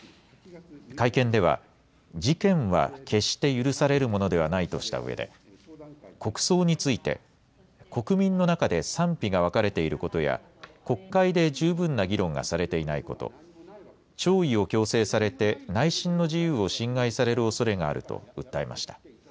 会見では、事件は決して許されるものではないとしたうえで、国葬について、国民の中で賛否が分かれていることや、国会で十分な議論がされていないこと、弔意を強制されて内心の自由を侵害されるおそれがあると訴えまし